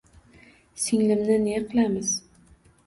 — Singlimni ne qilamiz?